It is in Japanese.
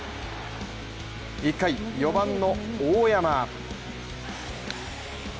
１回、４番の大山。